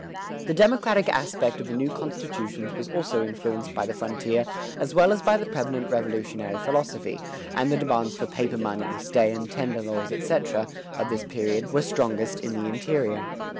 The democratic aspect of the new constitutions was also influenced by the frontier as well as by the prevalent Revolutionary philosophy; and the demands for paper money, stay and tender laws, etc., of this period were strongest in the interior.